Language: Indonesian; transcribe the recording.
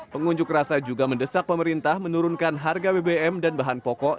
pengunjuk rasa juga mendesak pemerintah menurunkan harga bbm dan bahan pokok